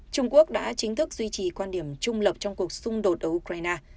trung quốc đã chính thức duy trì quan điểm trung lập trong cuộc xung đột ở ukraine